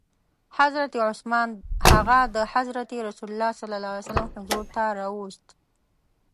حضرت عثمان هغه د حضرت رسول ص حضور ته راووست.